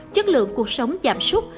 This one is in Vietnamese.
chất lượng cuộc sống giảm súc